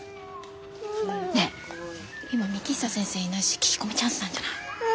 ねっ今幹久先生いないし聞き込みチャンスなんじゃない？